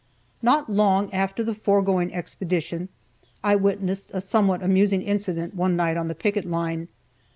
Not long after the foregoing expedition, I witnessed a somewhat amusing incident one night on the picket line.